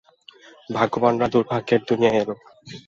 ভাগ্যবানরা দুর্ভাগ্যের দুনিয়ায় এলে।